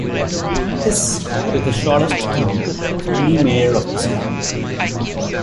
His is the shortest term of any mayor of the city.